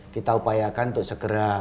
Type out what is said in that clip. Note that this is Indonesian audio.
kita upayakan untuk segera